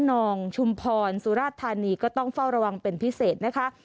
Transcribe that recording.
น้องชุมพรสุราชธานีก็ต้องเฝ้าระวังเป็นพิเศษนะคะ